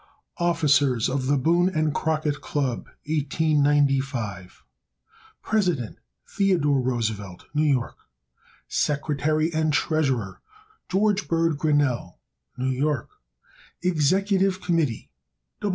Officers of the Boone and Crockett Club 1895 President. Theodore Roosevelt, New York. Secretary and Treasurer. George Bird Grinnell, New York. _Executive Committee.